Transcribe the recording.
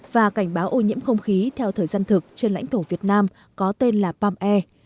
và cảnh báo ô nhiễm không khí theo thời gian thực trên lãnh thổ việt nam có tên là palm air